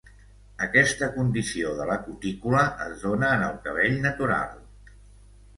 Aquesta condició de la cutícula es dóna en el cabell natural.